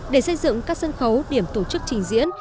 để xây dựng các sân khấu điểm tổ chức trình diễn